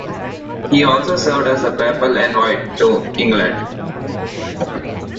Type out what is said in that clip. He also served as a papal envoy to England.